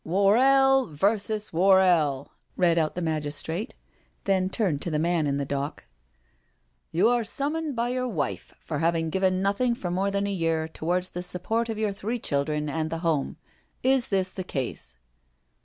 •• Worrell versus Worrell," read out the magistrate. Then turned to the man in the dock: '* You are summoned by your wife for having given nothing for more than a year towards the support of your three children and the home— is this the case?"